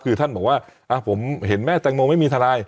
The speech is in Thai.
คือท่านบอกว่าผมเห็นแม่แตงโมไม่มีทนาย